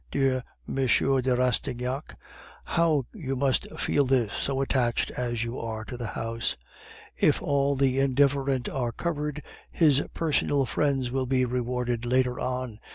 Dear M. de Rastignac, how you must feel this, so attached as you are to the house!' "'If all the indifferent are covered, his personal friends will be rewarded later on.